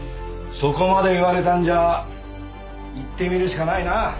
そこまで言われたんじゃ行ってみるしかないな。